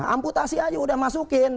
amputasi aja udah masukin